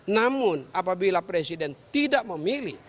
namun apabila presiden tidak memilih